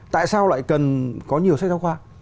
tại sao lại cần có nhiều sách giáo khoa